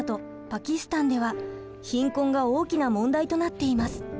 パキスタンでは貧困が大きな問題となっています。